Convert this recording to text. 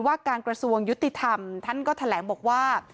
ว่าการกระทรวงยุติธรรมท่านก็แถลงบอกว่า